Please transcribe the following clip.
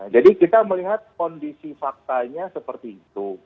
jadi kita melihat kondisi faktanya seperti itu